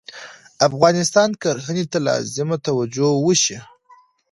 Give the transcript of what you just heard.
افغانستان کرهنې ته لازمه توجه وشي